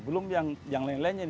belum yang lain lainnya